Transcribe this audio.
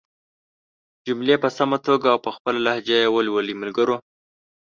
جملې په سمه توګه او په خپله لهجه ېې ولولئ ملګرو!